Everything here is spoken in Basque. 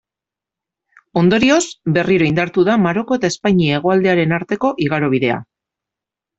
Ondorioz, berriro indartu da Maroko eta Espainia hegoaldearen arteko igarobidea.